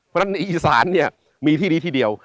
เพราะฉะนั้นในอีสานเนี่ยมีที่นี้ที่เดียว